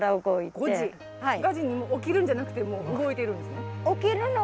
５時に起きるんじゃなくてもう動いてるんですね。